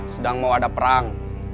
sedang mau ada perang